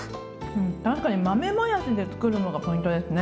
確かに豆もやしで作るのがポイントですね。